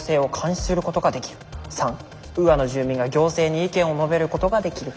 ３ウーアの住民が行政に意見を述べることができる。